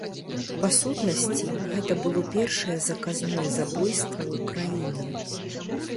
Па сутнасці гэта было першае заказное забойства ў краіне.